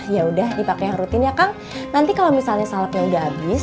yaudah dipake yang rutin ya kang nanti kalau misalnya salepnya udah abis